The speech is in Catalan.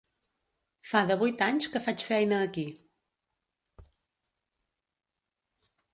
Fa devuit anys que faig feina aquí.